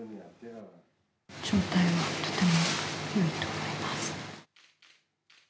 状態はとてもいいと思います。